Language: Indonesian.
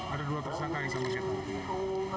ada dua tersangka yang sama kita